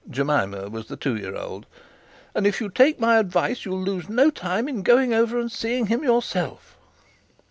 Jemima was the two year old. 'And if you'll take my advice, you'll lose no time in going over and seeing him yourself.'